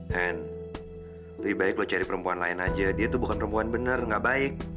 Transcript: hand lebih baik lo cari perempuan lain aja dia tuh bukan perempuan benar gak baik